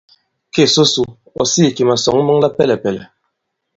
Ke so su , ɔ̀ sīī kì màsɔ̌ŋ mɔŋ la pɛlɛ̀pɛ̀lɛ̀.